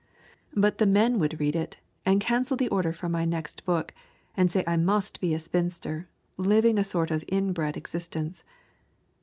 But the men would read it and cancel the order for my next book, and say I must be a spinster, living a sort of in bred existence.